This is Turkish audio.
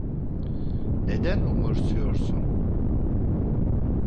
Neden umursuyorsun?